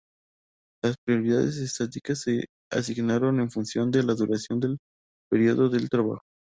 Las prioridades estáticas se asignan en función de la duración del período del trabajo.